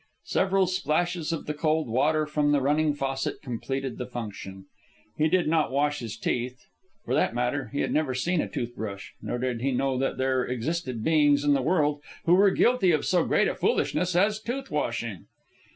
Several splashes of the cold water from the running faucet completed the function. He did not wash his teeth. For that matter he had never seen a toothbrush, nor did he know that there existed beings in the world who were guilty of so great a foolishness as tooth washing.